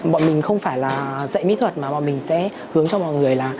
bọn mình không phải là dạy mỹ thuật mà bọn mình sẽ hướng cho mọi người là